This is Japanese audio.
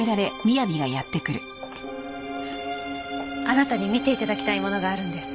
あなたに見て頂きたいものがあるんです。